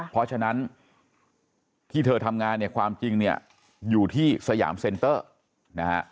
เพราะฉะนั้นที่เธอทำงานความจริงอยู่ที่สยามเซนเตอร์